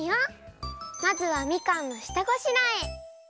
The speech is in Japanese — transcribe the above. まずはみかんのしたごしらえ。